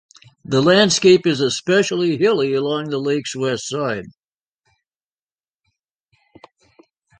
The landscape is especially hilly along the lake's west side.